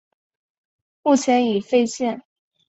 目前已废线。